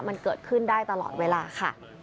มันเกิดขึ้นได้ตลอดเวลาค่ะ